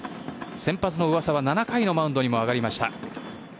先発の上沢は７回のマウンドにも上がりました。